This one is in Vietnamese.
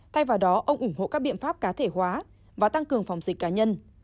thay vào đó ông ủng hộ các biện pháp cá thể hóa và tăng cường phòng dịch cá nhân